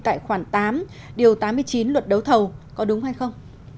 tại khoản tám điều tám mươi chín luật đấu thầu có đúng hay không